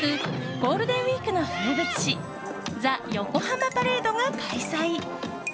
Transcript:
ゴールデンウィークの風物詩ザよこはまパレードが開催。